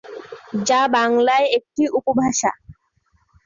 যা বাংলার একটি উপভাষা।